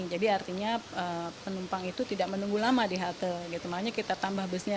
jadi artinya penumpang itu tidak menunggu lama di halte makanya kita tambah busnya